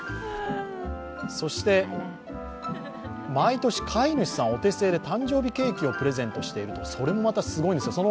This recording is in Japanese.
そして、毎年、飼い主さんお手製で誕生日ケーキをプレゼントしているそうです。